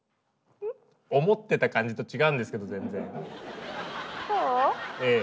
思ってた感じと違うんですけどぜんぜん。